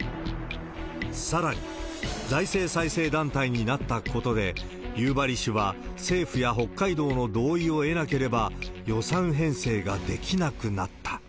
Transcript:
さらに、財政再生団体になったことで、夕張市は政府や北海道の同意を得なければ、予算編成ができなくなった。